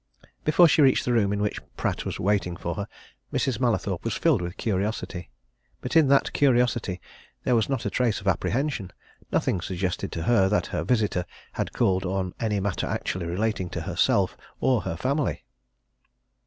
Before she reached the room in which Pratt was waiting for her, Mrs. Mallathorpe was filled with curiosity. But in that curiosity there was not a trace of apprehension; nothing suggested to her that her visitor had called on any matter actually relating to herself or her family.